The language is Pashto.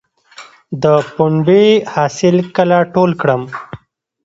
د پنبې حاصل کله ټول کړم؟